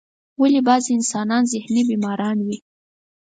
ولی بازی انسانان ذهنی بیماران وی ؟